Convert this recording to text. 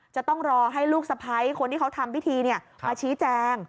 จะต้องรอให้ลูกสะพ้ายคนที่เขาทำพิธีมาชี้แจง